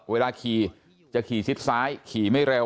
เวลาขี่จะขี่ชิดซ้ายขี่ไม่เร็ว